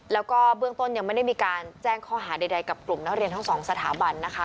แล้วก็เบื้องต้นยังไม่ได้มีการแจ้งข้อหาใดกับกลุ่มนักเรียนทั้งสองสถาบันนะคะ